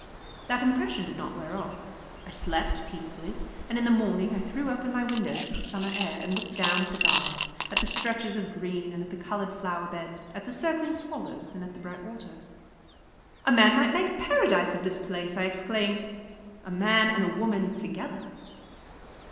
That impression did not wear off. I slept peacefully, and in the morning I threw open my windows to the summer air, and looked down at the garden, at the stretches of green and at the coloured flower beds, at the circling swallows, and at the bright water. "A man might make a paradise of this place," I exclaimed. "A man and a woman together!"